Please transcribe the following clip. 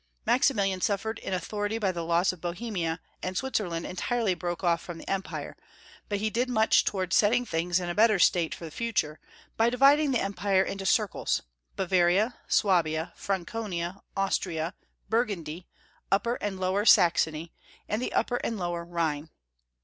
Maximilian suffered in authority by the loss of Bohemia, and Switzer land entirely broke off from the Empire, but he did Maximilian. 267 much toward setting things in a better state for the future, by dividing the Empire into circles, Bavaria, Swabia, Franconia, Austria, Burgundy, Upper and Lower Saxony, and the Upper and Lower Rhine.